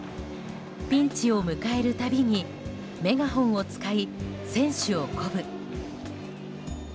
ピンチを迎えるたびにメガホンを使い、選手を鼓舞。